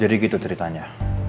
jadi gitu ceritanya